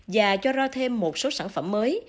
và cho ra thêm một số sản phẩm mới